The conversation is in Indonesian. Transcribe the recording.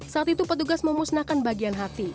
saat itu petugas memusnahkan bagian hati